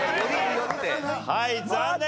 はい残念！